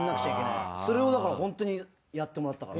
それをだからホントにやってもらったから。